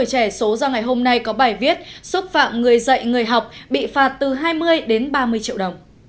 hành vi xúc phạm người dạy người học bị phạt từ hai mươi đến ba mươi triệu đồng